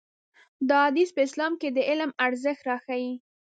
دا حديث په اسلام کې د علم ارزښت راښيي.